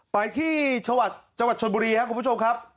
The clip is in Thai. ไปที่จังหวัดชนบุรีครับคุณผู้ชมครับ